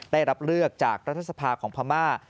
ได้รับเลือกจากรัฐสภาของพม่า